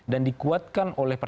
dan dikuatkan oleh pdip